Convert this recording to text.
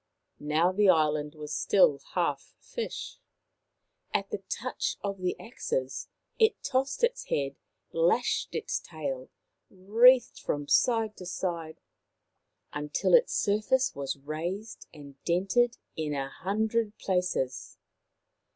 Now the island was still half fish. At the touch of the axes it tossed its head, lashed its tail, writhed from side to side, until its surface was raised and dented in a hundred places.